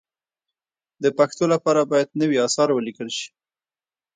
د پښتو لپاره باید نوي اثار ولیکل شي.